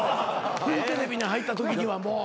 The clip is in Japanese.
フジテレビに入ったときにはもう。